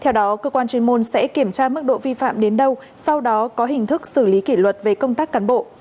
theo đó cơ quan chuyên môn sẽ kiểm tra mức độ vi phạm đến đâu sau đó có hình thức xử lý kỷ luật về công tác cán bộ